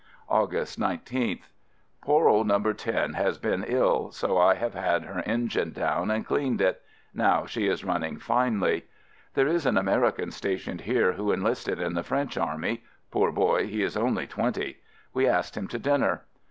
August 19th. Poor old "No. 10" has been ill, so I have had her engine down and cleaned it. Now she is running finely. There is an American stationed here who enlisted in the French army — poor boy, he is only twenty. We asked him to dinner.